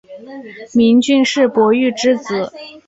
明俊是傅玉之子。